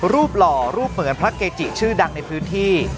หล่อรูปเหมือนพระเกจิชื่อดังในพื้นที่